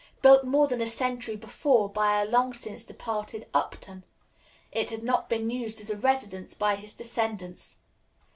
Built more than a century before, by a long since departed Upton, it had not been used as a residence by his descendants.